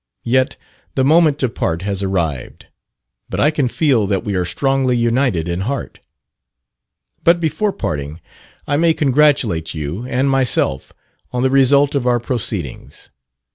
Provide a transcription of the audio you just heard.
Yet the moment to part has arrived, but I can feel that we are strongly united in heart. But before parting I may congratulate you and myself on the result of our proceedings.